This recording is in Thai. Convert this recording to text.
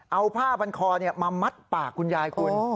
เอาผ้าพันคอมามัดปากคุณยายคุณ